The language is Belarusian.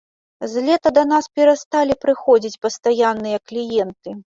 З лета да нас перасталі прыходзіць пастаянныя кліенты.